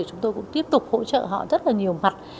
chúng tôi cũng tiếp tục hỗ trợ họ rất là nhiều mặt